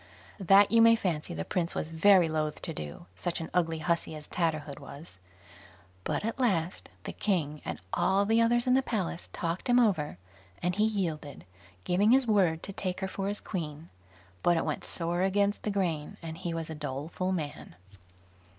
That you may fancy the prince was very loath to do, such an ugly hussy as Tatterhood was; but at last the king and all the others in the palace talked him over, and he yielded, giving his word to take her for his queen; but it went sore against the grain, and he was a doleful man.